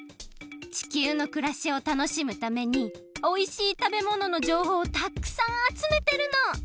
地球のくらしを楽しむためにおいしいたべもののじょうほうをたくさんあつめてるの！